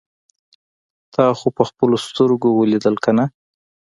تا خو په خپلو سترګو اوليدل کنه.